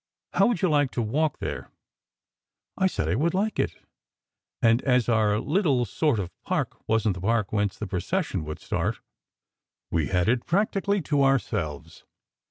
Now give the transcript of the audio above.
How would you like to walk there? " I said I would like it, and as our "little sort of" park wasn t the park whence the procession would start, we had it practically to ourselves.